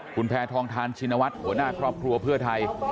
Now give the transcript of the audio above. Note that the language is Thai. คุณแพทองทานชินวัฒน์หัวหน้าครอบครัวเพื่อไทย